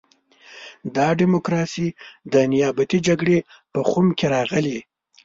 دا ډیموکراسي د نیابتي جګړې په خُم کې راغلې.